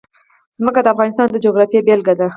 ځمکه د افغانستان د جغرافیې بېلګه ده.